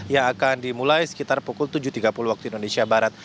yang akan dimulai sekitar pukul tujuh tiga puluh waktu indonesia barat